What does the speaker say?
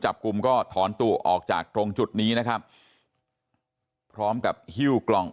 จับกลุ่มก็ถอนตัวออกจากตรงจุดนี้นะครับพร้อมกับหิ้วกล่อง